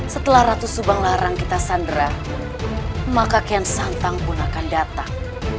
setelah ratu subang larang kita sandera maka ken santang pun akan datang